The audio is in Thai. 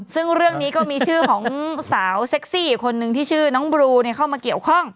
ซึ่งเรื่องนี้ก็มีชื่อของสาวเซ็กซี่อีกคนนึงที่ชื่อน้องบลูเข้ามาเกี่ยวข้อง